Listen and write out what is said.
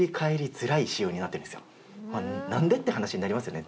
何で？って話になりますよね。